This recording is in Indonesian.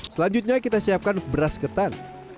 selanjutnya kita siapkan beras ketan